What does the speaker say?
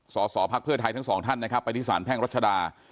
สอสอพักเพื่อไทยทั้งสองท่านนะครับไปที่สารแพ่งรัชดา